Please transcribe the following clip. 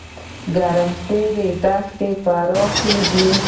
ګرمسیر دښتې پراخې دي؟